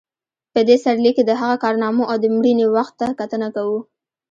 په دې سرلیک کې د هغه کارنامو او د مړینې وخت ته کتنه کوو.